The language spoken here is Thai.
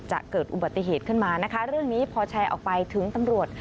จะเกิดอุบัติเหตุขึ้นมานะคะเรื่องนี้พอแชร์ออกไปถึงตำรวจ